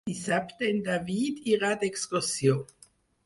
Dissabte en David irà d'excursió.